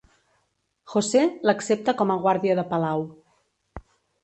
José l’accepta com a guàrdia de palau.